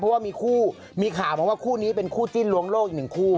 เพราะว่ามีคู่มีข่าวมาว่าคู่นี้เป็นคู่จิ้นล้วงโลกอีกหนึ่งคู่